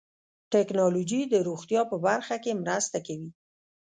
ټکنالوجي د روغتیا په برخه کې مرسته کوي.